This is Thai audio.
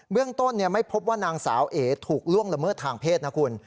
เรื่องต้นไม่พบว่านางสาวเอ๋ถูกล่วงละเมิดทางเพศนะคุณ